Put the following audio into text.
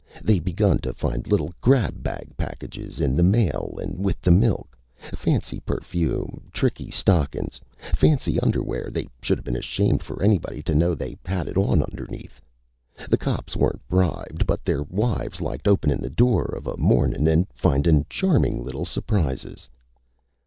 "They begun to find little grabbag packages in the mail an' with the milk. Fancy perfume. Tricky stockin's. Fancy underwear they shoulda been ashamed for anybody to know they had it on underneath. The cops weren't bribed, but their wives liked openin' the door of a mornin' an' findin' charmin' little surprises."